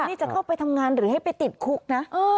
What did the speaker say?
นี่จะเข้าไปทำงานหรือให้ไปติดคุกนะ